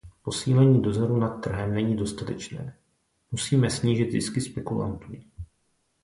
Posílení dozoru nad trhem není dostatečné; musíme snížit zisky spekulantů.